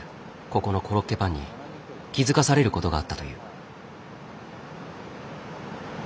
ここのコロッケパンに気付かされることがあったという。